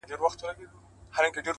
وخت بېرته نه راګرځي.!